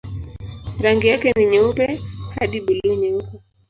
Rangi yake ni nyeupe hadi buluu-nyeupe.